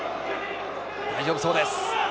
大丈夫そうです。